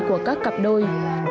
của các cặp đôi